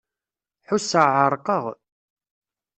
Ḥusseɣ εerqeɣ.